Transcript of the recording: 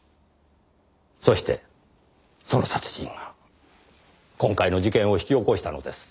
そしてその殺人が今回の事件を引き起こしたのです。